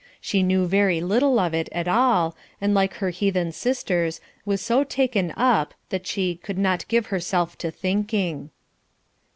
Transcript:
She knew very little of it at all, and like her heathen sisters, was so "taken up" that she "could not give herself to thinking."